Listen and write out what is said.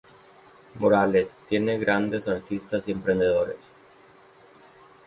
Morales, tiene grandes artistas y emprendedores.